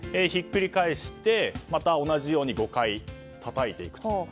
ひっくり返してまた同じように５回たたいていく。